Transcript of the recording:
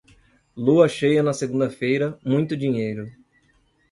Lua cheia na segunda-feira, muito dinheiro.